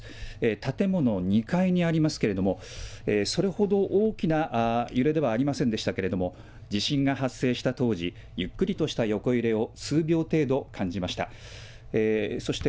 建物２階にありますけれども、それほど大きな揺れではありませんでしたけれども、地震が発生した当時、ゆっくりとした横揺れを数秒程度感じました。